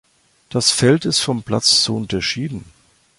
Das Feld ist vom Platz zu unterschieden.